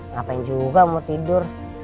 ngapain juga mau tidur